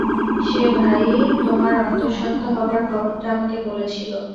সেই ভাই-ই তোমার অন্তঃসত্ত্বা হবার খবরটা আমাকে বলেছিল!